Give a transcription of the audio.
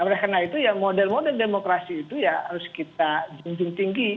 oleh karena itu ya model model demokrasi itu ya harus kita junjung tinggi